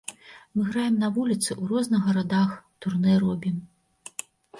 Мы граем на вуліцы, у розных гарадах турнэ робім.